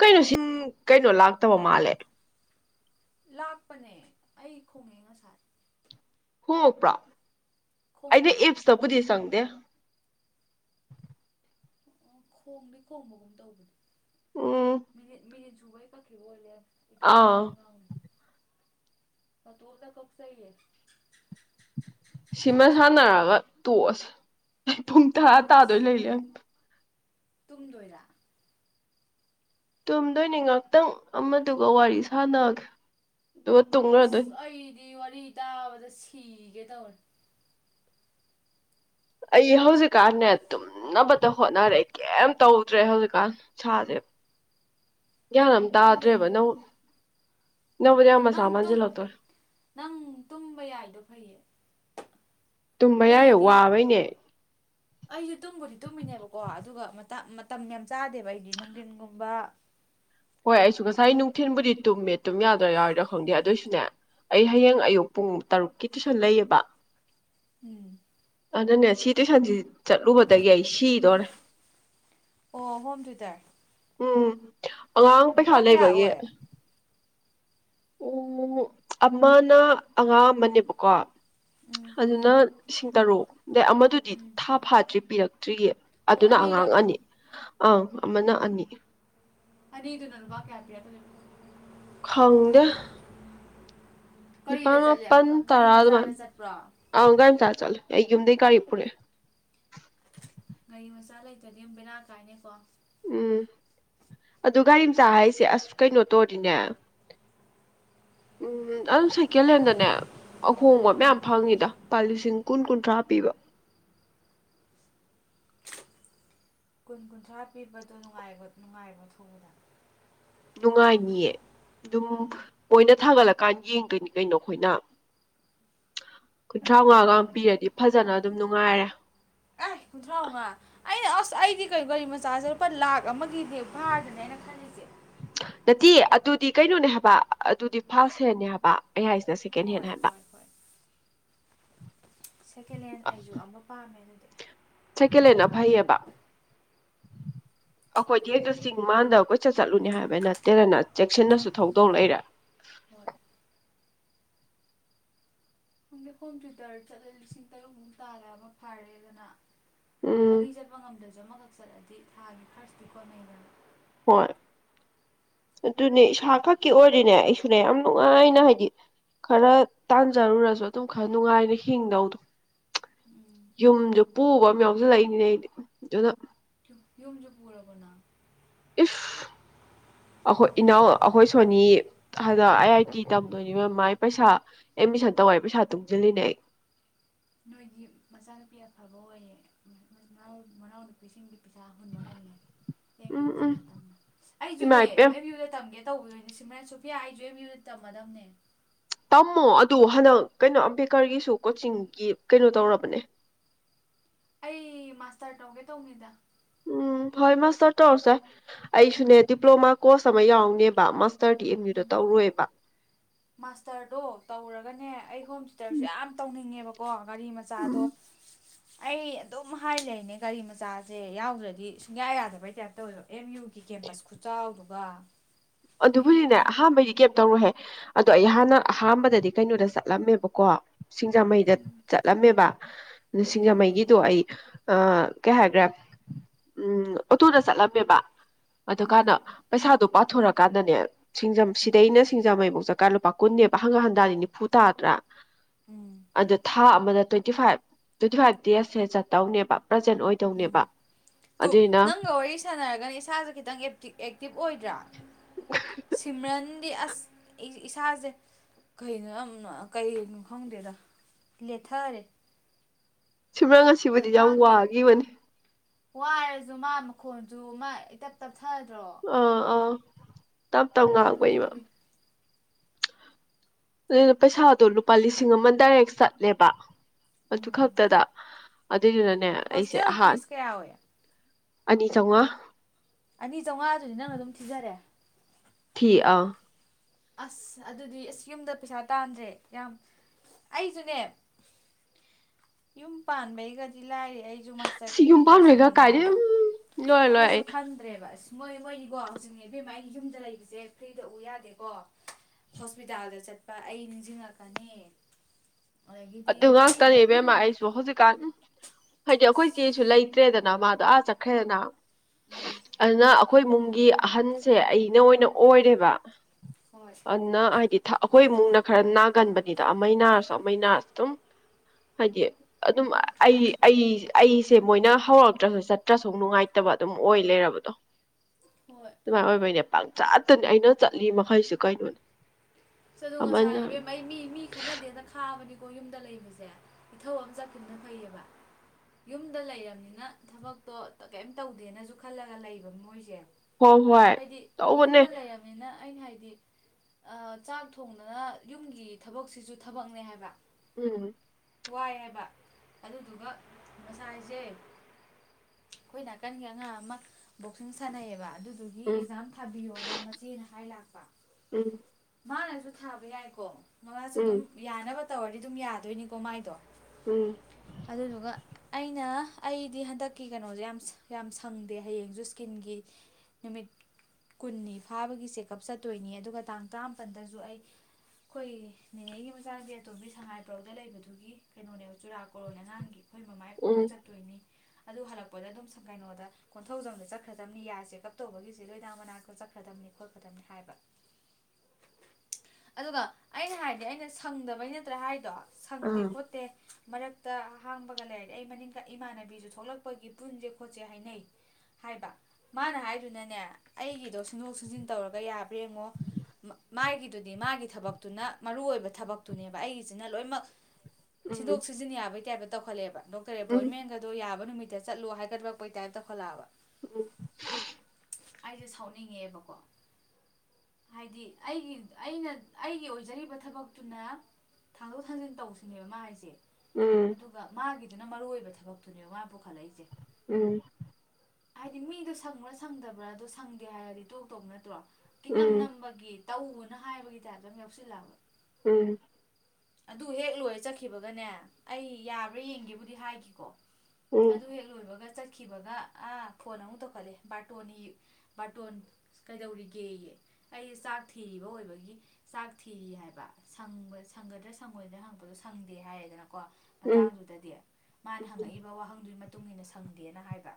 ꯀꯩꯅꯣꯁꯤꯡ ꯀꯩꯅꯣ ꯂꯥꯛꯇꯕ ꯃꯥꯜꯂꯦ ꯂꯥꯛꯄꯅꯦ ꯑꯩ ꯈꯣꯡꯉꯦ ꯉꯁꯥꯏ ꯑꯣ ꯑꯣꯞ꯭ꯔꯥ ꯑꯩꯅ ꯈꯣꯡꯕꯅꯦ ꯑꯦꯞꯁꯇꯕꯨꯗꯤ ꯆꯪꯗꯦ ꯑꯣ ꯈꯣꯡꯗꯤ ꯈꯣꯡꯕꯒꯨꯝ ꯇꯧꯕꯅꯦ ꯎꯝ ꯃꯤ ꯃꯤꯠ ꯁꯨꯕꯩ ꯀꯛꯈꯤꯕ ꯑꯣꯏ ꯂꯩꯔꯝ ꯏꯗꯣꯗ ꯑꯥ ꯋꯥꯉ, ꯑ ꯝꯇꯣꯝꯗ ꯀꯞ ꯆꯍꯤꯌꯦ ꯁꯤꯃ ꯁꯥꯟꯅꯔꯒ ꯇꯣꯛꯑꯁꯦ ꯄꯨꯡ ꯇꯔꯥ ꯇꯣꯛꯑꯁꯤ ꯇꯥꯗꯣꯏ ꯂꯩ ꯂꯩꯔꯝ ꯇꯨꯝꯗꯣꯏꯔꯥ ꯇꯨꯝꯗꯣꯏꯅꯤ ꯉꯥꯛꯇꯪ ꯑꯃꯗꯨꯒ ꯋꯥꯔꯤ ꯁꯥꯟꯅꯒꯦ ꯑꯗꯨꯒꯥ ꯇꯨꯡꯈ꯭ꯔ ꯗꯣꯏꯅꯦ ꯗꯤ ꯋꯥꯔꯤ ꯇꯥꯕꯗ ꯁꯤꯒꯦ ꯇꯧꯔꯦ ꯑꯩ ꯍꯧꯖꯤꯛꯀꯥꯟꯅꯦ ꯇꯨꯝꯅꯕꯇ ꯍꯣꯠꯅꯔꯦ ꯀꯩꯝ ꯇꯧꯗ꯭ꯔꯦ ꯍꯧꯖꯤꯛꯀꯥꯟ ꯁꯥꯁꯦ ꯒꯌ꯭ꯥꯟ ꯑꯃ ꯇꯨꯝꯕꯩ ꯇꯥꯗ꯭ꯔꯦꯕ ꯅꯪ ꯅꯕꯨꯗꯃ ꯅꯪ ꯃꯆꯥ ꯃꯥꯟꯁꯤ ꯇꯨꯝ ꯂꯥꯛꯇꯣꯔꯦ ꯅꯪ ꯇꯨꯝꯕ ꯌꯥꯏꯗꯣ ꯐꯩꯌꯦ ꯇꯨꯝꯕ ꯌꯥꯏꯌꯦ ꯑꯩꯗꯤ ꯋꯥꯕꯩꯅꯦ ꯑꯩꯁꯨ ꯇꯨꯝꯕꯨꯗꯤ ꯇꯨꯝꯃꯤꯅꯦꯕꯀꯣ ꯑꯗꯨꯒ ꯃꯇꯝ ꯌꯥꯝ ꯆꯥꯗꯦꯕ ꯑꯩꯗꯤ ꯅꯨꯡꯊꯤꯟꯒꯨꯝꯕ ꯍꯣꯏ ꯑꯩꯁꯨ ꯉꯁꯥꯏ ꯅꯨꯡꯊꯤꯟꯕꯨꯗꯤ ꯇꯨꯝꯃꯦ ꯇꯨꯝ ꯌꯥꯗ꯭ꯔꯥ ꯌꯥꯎꯔꯣꯏꯗ꯭ꯔꯥ ꯈꯪꯗꯦ ꯑꯗꯨꯑꯣꯏꯁꯨꯅꯦ ꯑꯩ ꯍꯌꯦꯡ ꯑꯌꯨꯛ ꯄꯨꯡ ꯇꯔꯨꯛꯀꯤ ꯇꯨꯁꯟ ꯂꯩꯌꯦꯕ ꯎꯝ ꯑꯗꯨꯅꯥ ꯁꯤ ꯇꯨꯏꯁꯥꯟꯁꯤ ꯆꯠꯂꯨꯕꯗꯒꯤ ꯑꯩ ꯁꯤꯗꯣꯔꯦ ꯑꯣ ꯍꯣꯝ ꯇꯨꯏꯇꯣꯔ ꯎꯝ ꯑꯉꯥꯡ ꯄꯩꯈꯥ ꯀꯌꯥ ꯂꯩꯕꯒꯤ ꯑꯣꯏ ꯎ ꯑꯃꯅ ꯑꯉꯥꯡ ꯑꯃꯅꯦꯕꯀꯣ ꯎꯝ ꯑꯗꯨꯅ ꯂꯤꯁꯤꯡ ꯇꯔꯨꯛ ꯗ ꯑꯃꯗꯨꯗꯤ ꯎꯝ ꯊꯥ ꯐꯥꯗ꯭ꯔꯤ ꯄꯤꯔꯛ ꯇꯔꯤꯌꯦ ꯑꯣ ꯑꯗꯨꯅ ꯑꯉꯥꯡ ꯑꯅꯤꯔꯕ ꯑꯅꯤ ꯑꯪ ꯑꯃꯅ ꯑꯅꯤ ꯑꯅꯤꯗꯨꯅ ꯂꯨꯄꯥ ꯀꯌꯥ ꯄꯤꯔꯛ ꯀꯗꯣꯏꯅꯣ ꯈꯪꯗꯦ ꯅꯤꯄꯥꯜ ꯒꯥꯔꯤꯗ ꯆꯠꯂꯦ ꯃꯥꯄꯜ ꯒꯥꯔꯤ ꯇꯔꯥ ꯃꯆꯥꯗ ꯑꯗꯨꯃꯥꯏꯅ ꯆꯠꯄ꯭ꯔꯣ ꯑꯪ ꯒꯥꯔꯤ ꯃꯆꯥ ꯆꯠꯂꯦ ꯑꯩ ꯌꯨꯝꯗꯒꯤ ꯒꯥꯔꯤ ꯄꯨꯔꯛꯑꯦ ꯉꯒꯥꯔꯤ ꯃꯆꯥ ꯂꯩꯇ꯭ꯔꯗꯤ ꯌꯥꯝ ꯕꯦꯔꯥ ꯀꯥꯏꯅꯦꯀꯣ ꯎꯝ ꯑꯗꯨ ꯒꯥꯔꯤ ꯃꯆꯥ ꯍꯥꯏꯁꯦ ꯑꯁ ꯀꯩꯅꯣ ꯇꯧꯔꯗꯤꯅꯦ ꯎꯝ ꯑꯗꯨꯝ ꯁꯦꯀꯦꯟ ꯍꯦꯟꯗꯅꯦ ꯑꯍꯣꯡꯕ ꯃꯌꯥꯝ ꯐꯪꯉꯤꯗ ꯂꯨꯄꯥ ꯂꯤꯁꯤꯡ ꯀꯨꯟ ꯀꯨꯟꯊ꯭ꯔꯥ ꯄꯤꯕ ꯀꯨꯟ ꯀꯨꯟꯊ꯭ꯔꯥ ꯄꯤꯕꯗꯣ ꯅꯨꯡꯉꯥꯏꯕ ꯊꯧꯕꯗ ꯅꯨꯡꯉꯥꯏꯅꯤꯌꯦ ꯑꯗꯨꯝ ꯑꯣꯏꯅ ꯊꯥꯒꯠꯂꯛꯀꯥꯟ ꯌꯦꯡꯒꯅꯤ ꯀꯩꯅꯣ ꯑꯩꯈꯣꯏꯅ ꯀꯨꯟꯊ꯭ꯔꯥ ꯑꯩꯁꯨ ꯃꯉꯥꯒ ꯄꯥꯝꯃꯦ ꯄꯤꯔꯗꯤ ꯐꯖꯅ ꯑꯗꯨꯝ ꯅꯨꯡꯉꯥꯏꯔꯦ ꯑꯥꯏ ꯀꯨꯟꯊ꯭ꯔꯥ ꯃꯉꯥ ꯑꯩꯅ ꯑꯁ ꯑꯩꯗꯤ ꯀꯔꯤ ꯒꯥꯔꯤ ꯃꯆꯥꯁꯦ ꯂꯨꯄꯥ ꯂꯥꯛ ꯑꯃꯒꯤ ꯅ ꯐꯥꯔꯗꯅꯦ ꯑꯩꯅ ꯈꯜꯂꯤꯁꯦ ꯗꯤ ꯀꯩꯅꯣꯅꯦ ꯍꯥꯏꯕ ꯑꯗꯨꯗꯤ ꯐꯥꯔꯁ ꯍꯦꯟꯅꯦ ꯍꯥꯏꯕ ꯑꯩꯌꯥꯁꯤꯗ ꯁꯦꯀꯦꯟ ꯍꯦꯟ ꯍꯣꯏ ꯍꯥꯏꯕ ꯍꯣꯏ ꯍꯣꯏ ꯁꯦꯀꯦꯟ ꯍꯦꯟ ꯑꯩꯁꯨ ꯑꯃ ꯄꯥꯝꯃꯦ ꯑꯗꯨꯗꯤ ꯑꯩꯈꯣꯏꯗꯦꯛꯇ ꯆꯤꯡ ꯃꯥꯟꯗꯕ ꯀꯣꯏꯆꯠ ꯆꯠꯂꯨꯅꯤ ꯍꯥꯏꯕ ꯅꯠꯇꯦꯂꯅ ꯆꯦꯛꯁꯤꯟꯅꯁꯨ ꯊꯧꯗꯣꯛ ꯂꯩꯔꯦ ꯍꯣꯏ ꯪꯗ ꯀꯣꯝꯄ꯭ꯌꯨꯇꯔ ꯆꯠꯂꯦ ꯂꯤꯁꯤꯡ ꯇꯔꯨꯛꯃꯨ ꯇꯥꯔ ꯑꯃ ꯐꯥꯔꯦꯗꯅ ꯑꯅꯤ ꯎꯝ ꯆꯦꯜ ꯃ ꯉꯝꯗꯖ ꯃꯒ ꯆꯠꯂꯗꯤ ꯊꯥꯒꯤ ꯐꯥꯔꯁꯇꯤꯀꯣꯅꯩꯗꯅ ꯍꯣꯏ ꯑꯗꯨꯅꯦ ꯏꯁꯥ ꯈꯛꯀꯤ ꯑꯣꯏꯔꯤꯅꯦ ꯑꯩꯁꯨꯅꯦ ꯌꯥꯝ ꯅꯨꯡꯉꯥꯏꯅ ꯍꯥꯏꯗꯤ ꯈꯔ ꯇꯥꯟꯖꯔꯨꯔꯁꯨ ꯑꯗꯨꯝ ꯈꯔ ꯅꯨꯡꯉꯥꯏꯅ ꯍꯤꯡꯗꯧꯗꯣ ꯎꯝ ꯌꯨꯝꯗ ꯄꯨꯕ ꯌꯥꯎꯁꯨ ꯂꯩꯅꯤꯅꯦ ꯑꯩꯗꯤ ꯑꯗꯨꯗꯣ ꯌꯨꯝꯁꯨ ꯄꯨꯔꯕꯅ ꯏꯐ ꯑꯩꯈꯣꯏ ꯏꯅꯥꯎ ꯑꯩꯈꯣꯏ ꯁꯣꯅꯤ ꯍꯟꯗꯛ ꯑꯥꯏ ꯑꯥꯏ ꯇꯤ ꯇꯝꯗꯣꯏꯅꯤꯃꯥꯏ ꯄꯩꯁꯥ ꯑꯦꯠꯃꯤꯁꯟ ꯇꯧꯦ ꯄꯩꯁꯥ ꯇꯨꯡꯁꯤꯜꯂꯤꯅꯦ ꯑꯩ ꯅꯣꯏꯒꯤ ꯃꯆꯥꯅꯨꯄꯤ ꯑꯐꯕ ꯑꯣꯏꯌꯦꯎ ꯃꯅꯥꯎꯅꯨꯄꯤꯁꯤꯡꯗꯨ ꯄꯩꯁꯥ ꯍꯨꯟꯕ ꯉꯝꯃꯦ ꯑꯦꯝ ꯌꯨ ꯎꯝ ꯎꯝ ꯇꯝꯅ ꯇꯝꯅ ꯏꯃꯥ ꯑꯩꯁꯨꯅꯦ ꯏꯄꯦꯝ ꯑꯦꯝ ꯌꯨꯗ ꯇꯝꯒꯦ ꯇꯧꯤꯗꯣꯏꯅꯦ ꯁꯤꯃꯦꯟ ꯁꯨꯐꯌꯥ ꯍꯥꯏꯗ꯭ ꯑꯦꯝ ꯌꯨꯅꯤꯠ ꯇꯝꯃꯗꯕꯅꯦ ꯇꯝꯃꯣ ꯑꯗꯨ ꯍꯟꯗꯛ ꯀꯩꯅꯣ ꯑꯝꯕꯦꯗꯀꯔꯒꯤꯁꯨ ꯀꯣꯆꯤꯡꯒꯤ ꯀꯩꯅꯣ ꯇꯧꯔꯕꯅꯦ ꯑꯩ ꯃꯥꯁꯇꯔ ꯇꯧꯒꯦ ꯇꯧꯉꯗ ꯎꯝ ꯍꯣꯏ ꯃꯥꯁꯇꯔ ꯇꯧꯔꯁꯦ ꯑꯩꯁꯨꯅꯦ ꯗꯤꯄ꯭ꯂꯣꯃꯥ ꯀꯣꯔꯁ ꯑꯃ ꯌꯥꯎꯅꯦꯕꯁ ꯇꯔꯗꯤ ꯑꯦꯝ ꯌꯨꯗ ꯎꯝ ꯇꯧꯔꯣꯏꯕ ꯃꯥꯁꯇꯔꯗꯣ ꯇꯧꯔꯒꯅꯦ ꯑꯩ ꯍꯣꯝꯁꯇꯤꯇꯔꯁ ꯎꯝ ꯌꯥꯝ ꯇꯧ ꯈꯪꯅꯤꯡꯉꯦꯕꯀꯣ ꯒꯥꯔꯤ ꯃꯆꯥꯗꯣ ꯎꯝ ꯑꯩ ꯑꯗꯨꯝ ꯍꯥꯏ ꯂꯩꯅꯦ ꯒꯥꯔꯤ ꯃꯆꯥꯁꯦ ꯌꯥꯎꯗ꯭ꯔꯗꯤ ꯁꯨꯡꯌꯥ ꯌꯥꯗꯕꯩ ꯇꯥꯏꯞꯇ ꯑꯣꯏꯋꯗꯣ ꯑꯦꯝ ꯌꯨꯒꯤ ꯀꯦꯝꯄꯁ ꯈꯨꯆꯥꯎꯗꯨꯒ ꯑꯗꯨꯕꯨꯗꯤꯅꯦ ꯑꯍꯥꯟꯕꯩꯗꯤ ꯀꯩ ꯇꯧꯔꯨꯍꯦ ꯑꯗꯣ ꯑꯩ ꯍꯥꯟꯅ ꯑꯍꯥꯟꯕꯗꯗꯤ ꯀꯩꯅꯣꯗ ꯆꯠꯂꯝꯃꯦꯕꯀꯣ ꯁꯤꯡꯖꯃꯩꯗ ꯎꯝ ꯆꯠꯂꯝꯃꯦꯕ ꯑꯗꯨ ꯎꯝ ꯁꯤꯡꯖꯃꯩꯒꯤꯗꯣ ꯑꯩ ꯑ ꯀꯩ ꯍꯥꯏꯈ꯭ꯔꯦ ꯎꯝ ꯑꯣꯇꯣꯗ ꯆꯠꯂꯝꯃꯦꯕ ꯑꯗꯨꯀꯥꯟꯅ ꯎꯝ ꯄꯩꯁꯥꯗꯨꯣ ꯄꯊꯣꯔꯛ ꯀꯥꯟꯗꯅꯦ ꯁꯤꯡꯖꯝ ꯎꯝ ꯁꯤꯗꯩꯅ ꯁꯤꯡꯖꯥꯃꯩꯐꯧ ꯆꯠ ꯀꯥꯟ ꯂꯨꯄꯥ ꯀꯨꯟꯅꯦꯕ ꯍꯪꯒꯠ ꯍꯟꯗꯥꯗꯤ ꯅꯤꯐꯨ ꯇꯥꯗ꯭ꯔꯥ ꯎꯝ ꯑꯗ ꯊꯥ ꯑꯃꯗ ꯇ꯭ꯋꯦꯟꯇꯤ ꯐꯥꯏꯚ ꯇ꯭ꯋꯦꯟꯇꯤ ꯐꯥꯏꯚ ꯗꯦꯖꯁꯦ ꯆꯠꯇꯧꯅꯦꯕ ꯄ꯭ꯔꯖꯦꯟ ꯎꯝ ꯑꯣꯏꯗꯧꯅꯦꯕ ꯑꯗꯨꯏꯗꯨꯅ ꯢꯁꯥꯁꯦ ꯈꯤꯇꯪ ꯑꯦꯞꯇꯤꯞ ꯑꯦꯛꯇꯤꯞ ꯑꯣꯏꯗ꯭ꯔꯥ ꯁꯤꯝꯔꯟ ꯗꯤ ꯑꯁ ꯏꯁꯥꯁꯦ ꯀꯩꯅꯣ ꯌꯥꯝ ꯀꯩꯅꯣ ꯈꯪꯗꯦꯗ ꯂꯦꯊꯔꯦ ꯁꯤꯝꯔꯟ ꯉꯁꯤꯕꯨꯗꯤ ꯌꯥꯝ ꯋꯥꯒꯤꯕꯅꯤ ꯋꯥꯏꯔꯁꯨ ꯃꯥ ꯃꯈꯣꯟꯁꯨ ꯃꯥ ꯏꯇꯞ ꯇꯞ ꯊꯗ꯭ꯔꯣ ꯑꯥ ꯑꯥ ꯇꯞ ꯇꯞ ꯉꯥꯡꯕꯩ ꯃꯥ ꯑꯩꯅ ꯄꯩꯁꯥꯗꯣ ꯂꯨꯄꯥ ꯂꯤꯁꯤꯡ ꯑꯃ ꯗꯥꯏꯔꯦꯛ ꯆꯠꯂꯦꯕ ꯑꯗꯨ ꯎꯝ ꯈꯛꯇꯗ ꯑꯗꯨꯢꯗꯨꯅꯅꯦ ꯑꯩꯁꯦ ꯍꯣꯁꯇꯦꯜ ꯑꯍꯥꯟ ꯐꯤꯁ ꯀꯌꯥ ꯑꯣꯏ ꯑꯅꯤ ꯆꯧꯉꯥ ꯑꯅꯤ ꯆꯥꯧꯉꯥꯗꯨꯗꯤ ꯅꯪꯅ ꯑꯗꯨꯝ ꯊꯤꯖꯔꯦ ꯊꯤ ꯑꯥ ꯑꯁ ꯑꯗꯨꯗꯤ ꯑꯁ ꯌꯨꯝꯗ ꯄꯩꯁꯥ ꯇꯥꯟꯗ꯭ꯔꯦ ꯌꯥꯝ ꯑꯩꯁꯨꯅꯦ ꯌꯨꯝ ꯄꯥꯟꯕꯩꯒꯗꯤ ꯂꯥꯏꯔꯤ ꯑꯩꯁꯨ ꯃꯥꯁꯇꯔ ꯁꯤ ꯌꯨꯝ ꯀꯩꯀꯩ ꯄꯥꯟꯕꯩꯒ ꯇꯧꯁꯤꯟꯅꯤꯡꯉꯛ ꯀꯥꯏꯗꯩ ꯑꯕ ꯎꯝ ꯂꯣꯏꯔꯦ ꯂꯣꯏꯔꯦ ꯑꯩꯁꯨ ꯑꯩ ꯈꯟꯗ꯭ꯔꯦꯕ ꯑꯁ ꯃꯣꯏ ꯃꯣꯏꯗꯤꯀꯣ ꯍꯧꯖꯤꯛꯅꯦ ꯢꯕꯦꯝꯃꯥ ꯑꯩꯒꯤ ꯌꯨꯝꯗ ꯂꯩꯕꯁꯦ ꯐ꯭ꯔꯤꯗ ꯎ ꯌꯥꯗꯦꯀꯣ ꯍꯣꯁꯄꯤꯇꯥꯜꯗ ꯆꯠꯄ ꯑꯩ ꯅꯤꯡꯁꯤꯡꯉꯛꯀꯅꯤ ꯑꯗꯒꯤꯗꯤ ꯑꯗꯨ ꯉꯥꯛꯇꯅꯤ ꯐ꯭ꯔꯤꯗ ꯌꯨꯝ ꯢꯕꯦꯝꯃ ꯑꯩꯁꯨ ꯍꯧꯖꯤꯛꯀꯥꯟ ꯍꯥꯏꯗꯤ ꯑꯩꯈꯣꯏ ꯑꯁ ꯆꯦꯁꯨ ꯂꯩꯇꯦ ꯗꯦꯗꯅ ꯃꯥꯗꯣ ꯑꯗꯥ ꯆꯠꯈ꯭ꯔꯦꯗꯅ ꯎꯝ ꯑꯗꯨꯅ ꯑ ꯈꯣꯏ ꯏꯃꯨꯡꯒꯤ ꯑꯍꯟꯁꯦ ꯑꯩꯅ ꯑꯣꯏꯅ ꯑꯣꯏꯔꯦꯕ ꯍꯣꯏ ꯑꯅꯥ ꯍꯥꯏꯗꯤ ꯑꯩꯈꯣꯏ ꯏꯃꯨꯡꯅ ꯈꯔ ꯅꯥꯒꯟꯕꯅꯤꯗ ꯑꯃꯩ ꯅꯥꯔꯁꯨ ꯑꯃꯩ ꯅꯥꯔꯁꯨ ꯑꯗꯨꯝ ꯍꯥꯏꯗꯤ ꯑꯗꯨꯝ ꯑꯩ ꯑꯩ ꯑꯩꯁꯦ ꯃꯣꯏꯅ ꯍꯧꯔꯛꯇ꯭ꯔꯁꯨ ꯆꯠꯇ꯭ꯔꯁꯨ ꯅꯨꯡꯉꯥꯏꯇꯕ ꯑꯗꯨꯝ ꯑꯣꯏ ꯂꯩꯔꯕꯗꯣ ꯍꯣꯏ ꯑꯗꯨꯃꯥꯢ ꯑꯣꯏꯕꯩꯅꯦ ꯄꯪꯆꯠꯇꯅꯦ ꯑꯩꯅ ꯆꯠꯂꯤ ꯃꯈꯩꯁꯦ ꯀꯩꯅꯣꯅꯦ ꯑꯁ ꯑꯗꯨ ꯉꯁꯥꯏ ꯑꯃꯅ ꯏꯕꯦꯝ ꯑꯩ ꯃꯤ ꯃꯤ ꯈꯠꯅꯗꯦꯅ ꯈꯥꯕꯅꯤ ꯀꯣ ꯌꯨꯝꯗ ꯂꯩꯕꯁꯦ ꯏꯊꯧ ꯑꯃ ꯆꯠꯈꯤꯕꯅ ꯐꯩꯌꯦꯕ ꯌꯨꯝꯗ ꯂꯩꯔꯕꯅꯤꯅ ꯊꯕꯛꯇꯣ ꯀꯩꯝ ꯇꯧꯗꯦꯅꯁꯨ ꯈꯜꯂꯒ ꯂꯩꯕ ꯃꯣꯏꯁꯦ ꯍꯣ ꯍꯣꯏ ꯍꯥꯏꯗꯤ ꯇꯧꯕꯅꯦ ꯌꯨꯝꯗ ꯂꯩꯔꯕꯅꯤꯅ ꯑꯩꯅ ꯍꯥꯏꯗꯤ ꯆꯥꯛ ꯊꯣꯡꯗꯅ ꯌꯨꯝꯒꯤ ꯊꯕꯛꯁꯤꯁꯨ ꯊꯕꯛꯅꯦ ꯍꯥꯏꯕ ꯎꯝ ꯋꯥꯏ ꯍꯥꯏꯕ ꯑꯗꯨꯗꯨꯒ ꯃꯁꯥꯏꯁꯦ ꯑꯩꯈꯣꯏ ꯅꯥꯀꯟꯒꯤ ꯑꯉꯥꯡ ꯑꯃ ꯕꯣꯛꯁꯤꯡ ꯁꯥꯟꯅꯩꯑꯕ ꯑꯗꯨꯗꯨꯒꯤ ꯎꯝ ꯑꯦꯛꯖꯥꯝ ꯊꯥꯕꯤꯌꯣꯅ ꯃꯆꯦꯅ ꯍꯥꯏ ꯂꯥꯛꯄ ꯎꯝ ꯃꯥꯅꯁꯨ ꯊꯥꯕ ꯌꯥꯏꯀꯣ ꯃꯁꯨ ꯑꯗꯨꯝ ꯎꯝ ꯌꯥꯅꯕ ꯇꯧꯔꯗꯤ ꯑꯗꯨꯝ ꯌꯥꯗꯣꯏꯅꯤꯀꯣ ꯃꯥꯏꯗꯣ ꯎꯝ ꯑꯗꯨꯗꯨꯒ ꯑꯩꯅ ꯑꯩꯗꯤ ꯍꯟꯗꯛꯀꯤ ꯀꯩꯅꯣꯁꯦ ꯌꯥꯝ ꯆꯤꯟ ꯌꯥꯝ ꯁꯪꯗꯦ ꯍꯌꯦꯡꯁꯨ ꯁ꯭ꯀꯤꯟꯒꯤ ꯅꯨꯃꯤꯠ ꯀꯨꯟꯅꯤ ꯐꯥꯕꯒꯤ ꯆꯦꯛꯑꯞ ꯆꯠꯇꯣꯏꯅꯤ ꯑꯗꯨꯒ ꯇꯥꯡ ꯇꯔꯝꯄꯟꯗꯁꯨ ꯑꯩ ꯈꯣꯏ ꯅꯦꯒꯤ ꯃꯆꯥꯥꯅꯨꯄꯤ ꯑꯇꯣꯝꯕꯤ ꯁꯉꯥꯏꯄ꯭ꯔꯧꯗ ꯂꯩꯕꯗꯨꯒꯤ ꯀꯩꯅꯣꯅꯦꯕ ꯆꯨꯔꯥꯀꯣꯔꯣꯟꯅꯦ ꯑꯉꯥꯡꯒꯤ ꯑꯩꯈꯣꯏ ꯀꯥꯃꯥꯏ ꯃꯍꯨꯠꯍ ꯎꯝ ꯆꯠꯇꯣꯏꯅꯣ ꯑꯗꯨ ꯍꯜꯂꯛꯄꯗ ꯑꯗꯨꯝ ꯀꯩꯅꯣꯗ ꯀꯣꯟꯊꯧꯖꯝꯗ ꯆꯠꯈ꯭ꯔꯗꯝꯕꯅꯤ ꯌꯥ ꯆꯦꯛꯀꯞ ꯇꯧꯕꯒꯤꯁꯦ ꯆꯦꯂꯣꯏꯅꯥꯡ ꯃꯅꯥꯛꯇ ꯆꯠꯈ꯭ꯔꯗꯝꯕꯅꯤ ꯈꯣꯠꯀꯗꯝꯕꯅꯤ ꯍꯥꯏꯕ ꯑꯗꯨꯒ ꯑꯩꯅ ꯍꯥꯏꯗꯤ ꯑꯩꯅ ꯁꯪꯗꯕꯩ ꯅꯠꯇ꯭ꯔꯥ ꯍꯥꯏꯗꯣ ꯁꯪꯗꯦ ꯑꯥ ꯈꯣꯠꯇꯦ ꯃꯔꯛꯇ ꯑꯍꯥꯡꯕꯒ ꯂꯩꯔꯗꯤ ꯑꯩ ꯃꯅꯤꯡꯒ ꯏꯃꯥꯟꯅꯕꯤꯁꯨ ꯊꯣꯛꯂꯛꯄꯒꯤ ꯄꯨꯟꯁꯦ ꯈꯣꯠꯁꯦ ꯍꯥꯏꯅꯩ ꯍꯥꯏꯕ ꯃꯥꯅ ꯍꯥꯏꯗꯨꯅꯅꯦ ꯑꯩꯒꯤꯗꯣ ꯁꯨꯡꯗꯣꯛ ꯁꯟꯖꯤꯟ ꯇꯧꯔꯒ ꯌꯥꯕ꯭ꯔ ꯌꯦꯡꯉꯣ ꯃꯥꯒꯤꯗꯨꯗꯤ ꯃꯥꯒꯤ ꯊꯕꯛꯇꯨꯅ ꯃꯔꯨ ꯑꯣꯏꯕ ꯊꯕꯛꯇꯨꯅꯦꯕ ꯑꯩꯒꯤꯁꯤꯅ ꯂꯣꯏꯃꯛ ꯁꯤꯗꯣꯛ ꯎꯝ ꯁꯤꯖꯤꯟ ꯌꯥꯕꯩ ꯇꯥꯏꯞꯇ ꯇꯧꯈꯜꯂꯦꯕ ꯗꯣꯛꯇꯔ ꯎꯝ ꯎꯝ ꯑꯦꯄꯣꯏꯟꯃꯦꯟ ꯑꯗꯣ ꯌꯥꯕ ꯅꯨꯃꯤꯠ ꯁꯤꯗ ꯆꯠꯂꯣ ꯍꯥꯏꯒꯠꯂꯛꯄꯩ ꯇꯥꯏꯝ ꯇꯧꯈꯠꯂꯛꯑꯕ ꯎꯝ ꯑꯩꯁꯦ ꯁꯥꯎꯅꯤꯡꯉꯦꯕꯀꯣ ꯍꯥꯏꯗꯤ ꯑꯩꯒꯤ ꯑꯩꯅ ꯑꯩꯒꯤ ꯑꯣꯏꯖꯔꯤꯕ ꯊꯕꯛꯇꯨꯅ ꯊꯥꯡꯗꯣꯛ ꯊꯥꯡꯖꯤꯟ ꯇꯧꯁꯤꯅꯦꯕ ꯃꯥ ꯍꯥꯏꯁꯦ ꯑꯗꯨꯒ ꯃꯥꯒꯤ ꯑꯗꯨꯅ ꯃꯔꯨꯑꯣ ꯑꯣꯏꯕ ꯊꯕꯛꯇꯨꯅꯦ ꯃꯥ ꯄꯨꯈꯥ ꯂꯩꯁꯦ ꯎꯝ ꯎꯝ ꯍꯥꯏꯗꯤ ꯃꯤꯗꯣ ꯁꯪꯕ꯭ꯔꯥ ꯁꯪꯗꯕ꯭ꯔꯥ ꯑꯗꯨꯗꯣ ꯁꯪꯗꯦ ꯍꯥꯏꯔꯗꯤ ꯇꯣꯛ ꯇꯧ ꯅꯠꯇ꯭ꯔꯣ ꯎꯝ ꯇꯤꯛꯅꯝ ꯅꯝꯕꯒꯤ ꯇꯧꯑꯣꯅꯥ ꯍꯥꯏꯕꯒꯤ ꯇꯥꯏꯞ ꯑꯝ ꯌꯥꯎꯁꯤꯜꯂꯛꯑꯕ ꯎꯝ ꯑꯗꯨ ꯍꯦꯛ ꯂꯣꯏꯔ ꯆꯠꯈꯤꯕꯒꯅꯦ ꯑꯩ ꯌꯥꯕ꯭ꯔꯥ ꯌꯦꯡꯒꯦꯕꯨꯗꯤ ꯍꯥꯏꯈꯤꯀꯣ ꯑꯗꯨ ꯍꯦꯛ ꯂꯣꯏꯕꯒ ꯆꯠ ꯆꯛꯈꯤꯕꯒ ꯑꯥ ꯐꯣꯟ ꯑꯃꯨꯛ ꯇꯧꯈꯠꯂꯦ ꯕꯥꯔꯇꯣꯟ ꯕꯥꯔꯇꯣꯟ ꯀꯩꯗꯧꯔꯤꯒꯦ ꯑꯩ ꯆꯥꯛ ꯊꯤꯕ ꯑꯣꯏꯕꯒꯤ ꯆꯥꯛ ꯊꯤꯔꯤ ꯍꯥꯏꯕ ꯁꯪꯕ ꯁꯪꯒꯗ꯭ꯔꯥ ꯁꯪꯉꯣꯏꯗ꯭ꯔꯥ ꯍꯪꯉꯛꯄꯗꯣ ꯁꯪꯗꯦ ꯍꯥꯏꯔꯦꯗꯅ ꯀꯣ ꯎꯝ ꯎꯝ ꯃꯇꯥꯡꯗꯨꯗꯗꯤ ꯃꯥꯅ ꯍꯪꯉꯛꯏꯕ ꯋꯥꯍꯪꯗꯨꯏꯃꯇꯨꯡ ꯃꯇꯨꯡ ꯏꯟꯅ ꯁꯪꯗꯦꯅ ꯍꯥꯏꯕ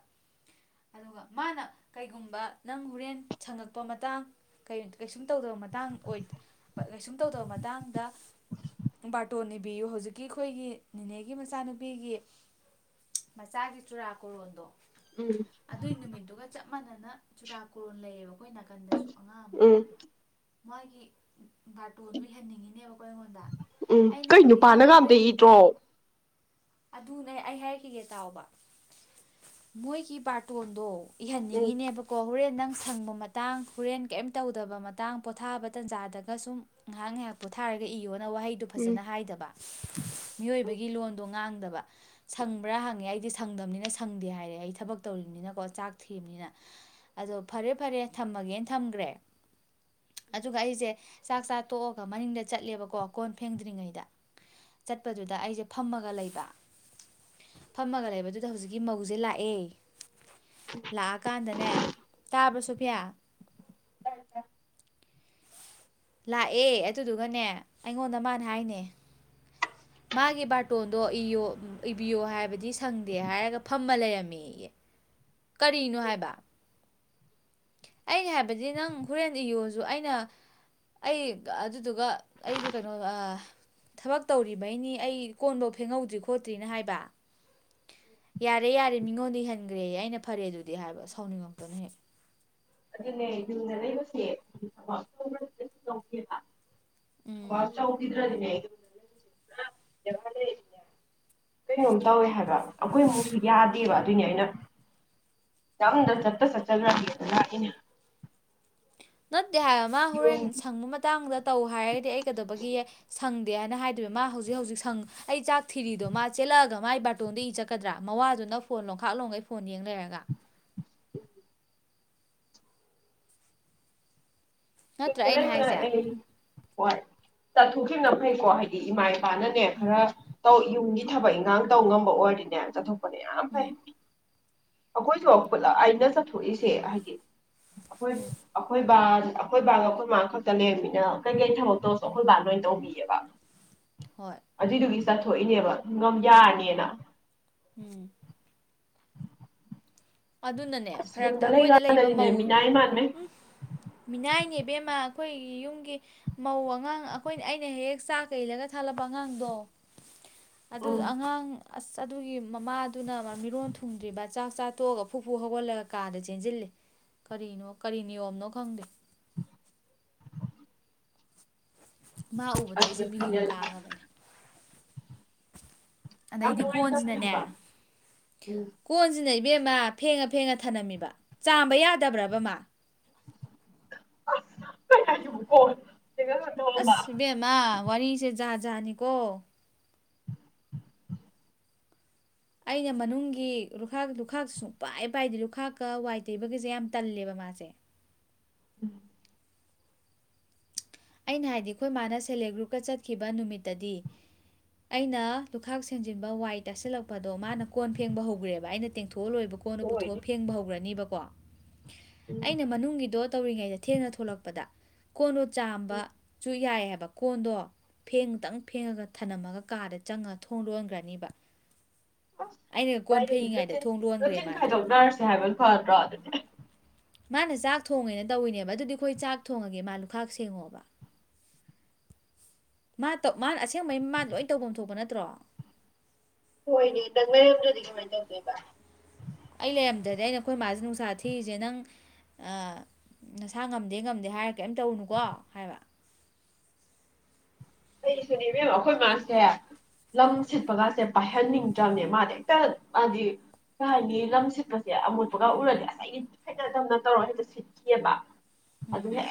ꯑꯗꯨꯒ ꯃꯥꯅ ꯀꯩꯒꯨꯝꯕ ꯅꯪ ꯍꯣꯔꯦꯟ ꯁꯪꯉꯛꯄ ꯃꯇꯥꯡ ꯀꯩꯁꯨꯝ ꯁꯨꯝ ꯇꯧꯗꯕ ꯃꯇꯥꯡ ꯑꯣꯏ ꯀꯩꯁꯨꯝ ꯇꯧꯗꯕ ꯃꯇꯥꯡꯗ ꯕꯥꯔꯇꯣꯟ ꯏꯅꯤꯕꯤꯌꯨ ꯍꯧꯖꯤꯛꯀꯤ ꯑꯩꯈꯣꯏꯒꯤ ꯅꯦꯅꯦꯒꯤ ꯃꯆꯥꯅꯨꯄꯤꯒꯤ ꯃꯆꯥꯒꯤ ꯆꯨꯔꯥꯀꯣꯔꯣꯟꯗꯣ ꯑꯗꯨꯏ ꯅꯨꯃꯤꯠꯇꯨꯒ ꯆꯠ ꯆꯞ ꯃꯥꯟꯅꯅ ꯆꯨꯔꯥꯀꯣꯔꯣꯟ ꯂꯩꯌꯦꯕ ꯑꯩꯈꯣꯏ ꯅꯥꯀꯟꯗꯁꯨ ꯑꯉꯥꯡ ꯑꯃ ꯎꯝ ꯃꯥꯒꯤ ꯕꯥꯥꯔꯇꯣꯗꯨꯍꯟꯅꯤꯡꯉꯤꯅꯦꯕꯈꯣ ꯑꯩꯉꯣꯟꯗ ꯎꯝ ꯑꯩꯅ ꯀꯩ ꯍꯥꯏꯗꯤ ꯅꯪ ꯅꯨꯄꯥꯅꯒ ꯑꯝꯇ ꯦꯟ ꯏꯗ꯭ꯔꯣ ꯑꯗꯨꯅꯦ ꯑꯩ ꯍꯥꯏꯔꯛꯈꯤꯒꯦ ꯇꯥꯎꯕ ꯃꯣꯏꯒꯤ ꯕꯥꯔꯇꯣꯟꯗꯣ ꯎꯝ ꯏꯍꯟꯅꯤꯡꯉꯤꯅꯦꯕꯀꯣ ꯍꯣꯔꯦꯟ ꯅꯪ ꯁꯪꯕ ꯃꯇꯥꯡ ꯍꯣꯔꯦꯟ ꯀꯩꯝ ꯇꯧꯗꯕ ꯇꯥꯡ ꯄꯣꯊꯥꯕ ꯇꯟꯖꯥꯗꯒ ꯁꯨꯝ ꯉꯥꯏꯍꯥꯛ ꯉꯥꯏꯍꯥꯛ ꯄꯣꯊꯥꯔꯒ ꯏꯌꯣ ꯋꯥꯍꯩꯗꯨ ꯎꯝ ꯐꯖ ꯍꯥꯏꯗꯕ ꯃꯤꯑꯣꯏꯕꯒꯤ ꯂꯣꯟꯗꯣ ꯉꯥꯡ ꯗꯕ ꯁꯪꯕ꯭ꯔꯥ ꯍꯪꯉꯦ ꯑꯩꯗꯤ ꯁꯪꯗꯝꯕꯅꯤꯅ ꯁꯪꯗꯦ ꯍꯥꯏꯔꯦ ꯑꯩ ꯊꯕꯛ ꯇꯧꯔꯤꯕꯅꯤꯅꯀꯣ ꯆꯥꯛ ꯊꯤꯕꯅꯤꯅ ꯑꯗꯣ ꯐꯔꯦ ꯐꯔꯦ ꯊꯝꯃꯒꯦꯅ ꯊꯝꯈ꯭ꯔꯦ ꯑꯗꯨꯒ ꯑꯩꯖꯦ ꯆꯥꯛ ꯆꯥ ꯇꯣꯛꯑꯒ ꯃꯅꯤꯡꯗ ꯆꯠꯂꯦꯕꯀꯣ ꯀꯣꯟ ꯐꯦꯡꯗ꯭ꯔꯤꯉꯩꯗ ꯆꯠꯄꯗꯨꯗ ꯑꯩꯁꯦ ꯐꯝꯃꯒ ꯂꯩꯕ ꯐꯝꯃꯒ ꯂꯩꯕꯗꯨꯗ ꯍꯧꯖꯤꯛꯀꯤ ꯃꯧꯖꯦ ꯂꯥꯛꯑꯦ ꯂꯥꯛꯑꯀꯥꯟꯗꯅꯦ ꯇꯥꯕ꯭ꯔꯣ ꯁꯣꯐꯤꯌꯥ ꯇꯥꯏ ꯇꯥꯏ ꯂꯥꯛꯑꯦ ꯑꯗꯨꯗꯨꯒꯅꯦ ꯑꯩꯉꯣꯟꯗ ꯃꯥꯅ ꯍꯥꯏꯅꯦ ꯃꯥꯒꯤ ꯕꯥꯔꯇꯣꯟꯗꯣ ꯏꯌꯣ ꯏꯕꯤꯌꯣ ꯍꯥꯏꯕꯗꯤ ꯁꯪꯗꯦ ꯍꯥꯏꯔꯒ ꯐꯝꯃ ꯂꯩꯔꯝꯃꯤ ꯀꯔꯤꯅꯣ ꯍꯥꯏꯕ ꯑꯩꯩꯅ ꯍꯥꯏꯕꯗꯤ ꯅꯪ ꯍꯣꯔꯦꯟ ꯏꯌꯣꯁꯨ ꯑꯩꯅ ꯑꯩ ꯑꯗꯨꯗꯨꯒ ꯑꯩꯗꯨ ꯀꯩꯅꯣ ꯊꯕꯛ ꯇꯧꯔꯤꯕꯩꯅꯤ ꯑꯩ ꯀꯣꯟꯐꯧ ꯐꯦꯡꯍꯧꯗ꯭ꯔꯤ ꯈꯣꯠꯇ꯭ꯔꯤꯅ ꯍꯥꯏꯕ ꯌꯥꯔꯦ ꯌꯥꯔꯦ ꯃꯤꯉꯣꯟꯗ ꯏꯍꯟꯈ꯭ꯔꯦꯌꯦ ꯑꯩꯅ ꯐꯔꯦ ꯑꯗꯨꯗꯤ ꯍꯥꯏꯕ ꯁꯥꯎꯅꯤꯡꯉꯛꯇꯅ ꯍꯦꯛ ꯑꯗꯨꯅꯦ ꯌꯨꯝꯗ ꯂꯩꯕꯁꯦ ꯊꯕꯛꯗꯁꯨ ꯇꯧꯗꯦꯕ ꯕꯥ ꯎꯝ ꯆꯧꯗꯤ [unintelligible] ꯀꯩꯅꯣꯝ ꯇꯧꯋꯦ ꯍꯥꯏꯕ ꯑꯩꯈꯣꯏꯃꯨꯛꯁꯨ ꯌꯥꯗꯦꯕ ꯅꯤ ꯑꯩꯅ ꯌꯥꯝꯗ ꯆꯠꯇ ꯁ ꯆꯗ꯭ꯔ ꯂꯥꯛꯅꯦ ꯅꯠꯇ ꯆꯠꯇꯦ ꯍꯥꯏꯕ ꯑꯃ ꯍꯣꯔꯦꯟ ꯁꯪꯕ ꯃꯇꯥꯡꯗ ꯇꯧ ꯍꯥꯏꯔꯒꯗꯤ ꯑꯩ ꯀꯩꯗꯧꯕꯒꯤ ꯁꯪꯗꯦ ꯍꯥꯏꯅ ꯍꯥꯏꯗꯣꯏꯋ ꯃꯥ ꯍꯧꯖꯤꯛ ꯍꯧꯖꯤꯛ ꯁꯪ ꯑꯩ ꯆꯥꯛ ꯊꯤꯔꯤꯗꯣ ꯃꯥ ꯆꯦꯜꯂꯛꯑꯒ ꯃꯥꯥꯏ ꯕꯥꯔꯇꯣꯟꯗ ꯏ ꯆꯠꯀꯗ꯭ꯔꯥ ꯃꯋꯥꯗꯨꯅ ꯐꯣꯟ ꯂꯣꯡꯈꯥꯛ ꯂꯣꯡꯒꯩ ꯐꯣꯟ ꯌꯦꯡ ꯂꯩꯔꯒ ꯅꯠꯇ꯭ꯔꯥ ꯏꯒ ꯑꯩꯅ ꯍꯥꯏꯁꯦ ꯂꯩ ꯍꯣꯏ ꯆꯠꯊꯣꯛꯈꯤꯕꯅ ꯐꯩꯀꯣ ꯍꯥꯏꯗꯤ ꯏꯃꯥ ꯄꯥꯅꯅꯦ ꯈꯔ ꯇꯧ ꯌꯨꯝꯒꯤ ꯊꯕꯛ ꯏꯟꯈꯥꯡ ꯇꯧ ꯉꯝꯕ ꯑꯣꯏꯔꯗꯤꯅꯦ ꯌꯥꯝ ꯆꯠꯊꯣꯛ ꯌꯥꯝ ꯐꯩ ꯎꯝ ꯑꯩꯈꯣꯏꯁꯨ ꯑ ꯄꯨꯂꯞ ꯑꯩꯅ ꯆꯠꯊꯣꯛꯏꯁꯦ ꯍꯥꯏꯗꯤ ꯑꯩꯈꯣꯏ ꯑꯩꯈꯣꯏ ꯕꯥ ꯑꯩꯈꯣꯏ ꯕꯥꯒ ꯑꯩꯈꯣꯏ ꯃꯥ ꯈꯛꯇ ꯂꯩꯔꯝꯃꯤꯅ ꯀꯩꯀꯩ ꯊꯕꯛ ꯇꯧꯔꯁꯨ ꯑꯩꯈꯣꯏ ꯕꯥ ꯂꯣꯏ ꯇꯧꯕꯤꯑꯦꯕ ꯍꯣꯏ ꯑꯗꯨꯏꯗꯨꯒꯤ ꯆꯠꯊꯣꯛꯏꯅꯦꯕ ꯌꯥꯔꯅꯤꯅ ꯎꯝ ꯑꯗꯨꯅꯅꯦ ꯑꯁ ꯐꯔꯛꯇ ꯌꯨꯝꯗ ꯑꯩꯈꯣꯏꯗ ꯂꯩꯕ ꯂꯩꯀꯥꯟꯗꯗꯤꯅꯦ ꯃꯧ ꯃꯤꯅꯥꯏ ꯃꯥꯟꯕꯩ ꯎꯝ ꯃꯤꯅꯥꯏꯅꯦꯕꯦꯝ ꯑꯩꯈꯣꯏꯒꯤ ꯌꯨꯝꯒꯤ ꯃꯧ ꯑꯉꯥꯡ ꯑꯩꯈꯣꯏ ꯑꯩꯅ ꯍꯦꯛ ꯍꯦꯛ ꯆꯥꯛꯀ ꯏꯟꯂꯒ ꯊꯥꯜꯂꯛꯄ ꯑꯉꯥꯡꯗꯣ ꯑꯗꯨ ꯎꯝ ꯑꯉꯥꯡ ꯑꯁ ꯑꯗꯨꯒꯤ ꯃꯃꯥꯗꯨꯅ ꯃꯤꯔꯣꯟ ꯊꯨꯡꯗ꯭ꯔꯤꯕ ꯆꯥꯛ ꯆꯥ ꯇꯣꯛꯑꯒ ꯐꯨꯛ ꯐꯨꯛ ꯍꯧꯒꯠꯂꯒ ꯀꯥꯗ ꯆꯦꯟꯁꯤꯜꯂꯤ ꯀꯔꯤꯅꯣ ꯀꯔꯤ ꯅꯤꯌꯣꯝꯅꯣ ꯈꯪꯗꯦ ꯃꯥ ꯎꯕꯗ ꯑꯩꯁꯦ ꯑꯗꯨꯗꯅꯦ ꯃꯤꯍꯨꯟ ꯀꯥꯡꯉꯕꯅꯦ ꯌꯥꯝ ꯑꯗꯩꯗꯤ ꯅꯨꯡꯉꯥꯏꯇꯕꯅꯦ ꯀꯣꯟꯁꯤꯅꯅꯦ ꯍꯥꯏꯕ ꯎꯝ ꯀꯣꯟꯁꯤꯅ ꯕꯦꯝꯃ ꯐꯦꯡꯉ ꯐꯦꯡꯉ ꯊꯅꯝꯃꯤꯕ ꯆꯥꯝꯕ ꯌꯥꯗꯕ꯭ꯔꯕ ꯃꯥ [inaudible] ꯀꯣ ꯑꯁ ꯏꯕꯦꯝꯃ ꯋꯥꯔꯤꯁꯦ ꯖꯥꯠ ꯖꯥꯠ ꯅꯦꯀꯣ ꯑꯩꯅ ꯃꯅꯨꯡꯒꯤ ꯂꯨꯈꯥꯛ ꯂꯨꯈꯥꯛ ꯁꯨꯡꯄꯥꯏ ꯄꯥꯏꯗꯦ ꯂꯨꯈꯥꯛꯀ ꯋꯥꯏ ꯇꯩꯕꯒꯤꯁꯦ ꯌꯥꯝ ꯇꯜꯂꯦꯕ ꯃꯥꯁꯦ ꯎꯝ ꯑꯩꯅ ꯍꯥꯏꯗꯤ ꯑꯩꯈꯣꯏ ꯃꯥꯅ ꯁꯦꯜ ꯍꯦꯜ꯭ꯄ ꯒ꯭ꯔꯨꯞꯀ ꯆꯠꯈꯤꯕ ꯅꯨꯃꯤꯠꯇꯗꯤ ꯑꯩꯅ ꯂꯨꯈꯥꯛ ꯁꯦꯡꯖꯤꯟꯕ ꯋꯥꯏ ꯇꯁꯤꯜꯂꯛꯄꯗꯣ ꯃꯥꯅ ꯀꯣꯟ ꯐꯦꯡꯕ ꯍꯧꯈ꯭ꯔꯦꯕ ꯑꯩꯅ ꯇꯦꯡꯊꯣ -ꯄ ꯂꯣꯏꯕ ꯀꯣꯟꯗꯣ ꯄꯨꯊꯣꯛꯑ ꯍꯣꯏꯅꯦ ꯐꯦꯡꯕ ꯍꯧꯈ꯭ꯔꯅꯤꯕꯀꯣ ꯎꯝ ꯑꯩꯅ ꯃꯅꯨꯡꯒꯤꯗꯣ ꯇꯧꯔꯤꯉꯩꯗ ꯊꯦꯡꯅ ꯊꯣꯛꯂꯛꯄꯗ ꯀꯣꯟꯗꯣ ꯆꯥ ꯕꯁꯨ ꯌꯥꯏ ꯀꯣꯟꯗꯣ ꯐꯦꯡꯗꯪ ꯐꯦꯡꯉꯒ ꯊꯝꯂꯝꯃꯒ ꯀꯥꯗ ꯆꯪꯉ ꯊꯣꯡ ꯂꯣꯟꯈ꯭ꯔꯅꯤꯕ ꯑꯁ ꯑꯩꯅ ꯀꯣꯟ ꯃꯥꯏꯗꯨꯗꯤ ꯐꯦꯡꯉꯤꯉꯩꯗ ꯔꯨꯇꯤꯟ ꯊꯣꯡ ꯂꯣꯟꯈ꯭ꯔꯦ ꯔꯨꯇꯤꯟ ꯃꯥꯗꯤ ꯈꯥꯏꯗꯣꯛꯅꯔꯁꯦ ꯍꯥꯏꯕ ꯐꯗ꯭ꯔꯣ ꯑꯗꯨꯗꯤ ꯃꯥꯅ ꯆꯥꯛ ꯊꯣꯡꯉꯦꯅ ꯇꯧꯋꯤꯅꯦꯕ ꯑꯗꯨꯗꯤ ꯑꯩꯈꯣꯏ ꯆꯥꯛ ꯊꯣꯡꯉꯒꯦ ꯃꯥ ꯂꯨꯈꯥꯛ ꯁꯦꯡꯉꯣꯕ ꯃꯥ ꯇꯧ ꯃꯥꯅ ꯑꯁꯦꯡꯕꯩ ꯃꯥ ꯂꯣꯏ ꯇꯧꯐꯝ ꯊꯣꯛꯄ ꯅꯠꯇ꯭ꯔꯣ ꯍꯣꯏꯅꯦ ꯅꯪ ꯂꯩꯔꯝꯗ꯭ꯔꯗꯤ ꯀꯃꯥꯏꯅ ꯇꯧꯗꯣꯏꯕ ꯑꯩ ꯂꯩꯔꯝꯗ꯭ꯔꯗꯤ ꯑꯩꯅ ꯑꯩꯈꯣꯏ ꯃꯥꯁꯦ ꯅꯨꯡꯁꯥ ꯊꯤꯔꯤꯁꯦ ꯅꯪ ꯅꯁꯥ ꯉꯝꯗꯦ ꯉꯝꯗꯦ ꯍꯥꯏꯔ ꯀꯔꯤꯝ ꯇꯧꯔꯨꯅꯨꯀꯣ ꯍꯥꯏꯕ ꯑꯩꯁꯨꯅꯦ ꯏꯕꯦꯝꯃ ꯑꯩꯈꯣꯏ ꯃꯥꯁꯦ ꯂꯝ ꯁꯤꯠꯄꯒꯁꯦ ꯄꯥꯏꯍꯟꯅꯤꯡꯗ꯭ꯔꯕꯅꯦ ꯃꯥꯗꯤ ꯍꯦꯛꯇ ꯃꯥꯗꯤ ꯀꯩ ꯍꯥꯏꯅꯤ ꯂꯝ ꯁꯤꯠꯄꯁꯦ ꯑꯃꯣꯠꯄꯒ ꯎꯔꯗꯤ ꯑꯁ [inaudible] ꯇꯧꯔ ꯍꯦꯛꯇ ꯁꯤꯠꯈꯤꯌꯦꯕ ꯎꯝ